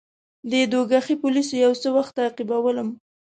دې دوږخي پولیسو یو څه وخت تعقیبولم.